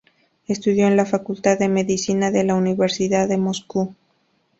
Estudió en la Facultad de Medicina de la Universidad de Moscú.